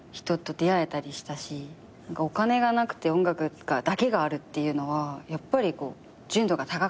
お金がなくて音楽だけがあるっていうのは純度が高かった。